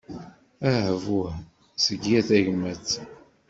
Ahbuh seg yir tagmat.